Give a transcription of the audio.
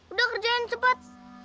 udah kerjain cepet